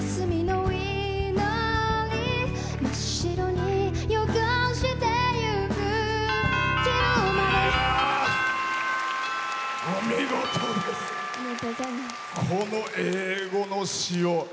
この英語の詞を。